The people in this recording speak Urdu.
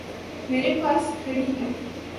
میرے پاس کھڑی ہے۔